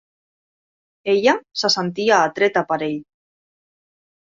Ella se sentia atreta per ell.